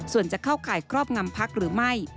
ส่วนจะเข้าข่ายครอบงำพักหรือไม่